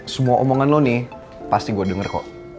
semua omongan lo nih pasti gue denger kok